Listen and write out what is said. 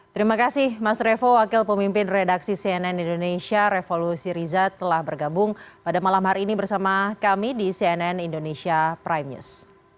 terima kasih mas revo wakil pemimpin redaksi cnn indonesia revolusi riza telah bergabung pada malam hari ini bersama kami di cnn indonesia prime news